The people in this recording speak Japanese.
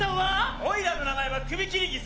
おいらの名前はクビキリギス。